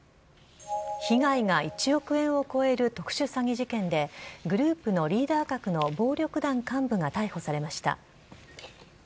被害が１億円を超える特殊詐欺事件でグループのリーダー格の暴力団幹部が逮捕されました。